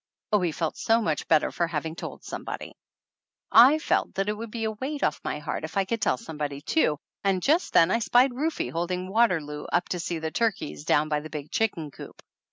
Oh, he felt so much better for having told somebody ! 219 THE ANNALS OF ANN I felt that it would be a weight off my heart if I could tell somebody too, and just then I spied Rufe holding Waterloo up to see the tur keys down by the big chicken coop.